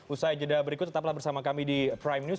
usai jeda berikut tetaplah bersama kami di prime news